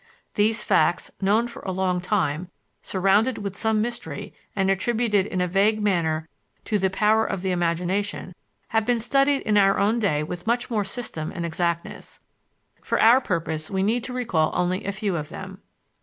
These facts, known for a long time, surrounded with some mystery, and attributed in a vague manner "to the power of the imagination," have been studied in our own day with much more system and exactness. For our purpose we need to recall only a few of them.